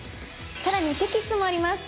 更にテキストもあります。